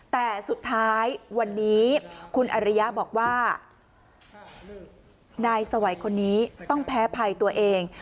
แต่สุดท้ายวันนี้คุณอริยะบอกว่านายสวัยคนนี้ต้องแพ้ภัยตัวเอง